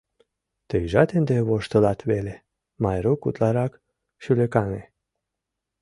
— Тыйжат ынде воштылат веле, — Майрук утларак шӱлыкаҥе.